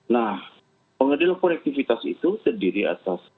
nah pengadilan konektivitas itu terdiri atas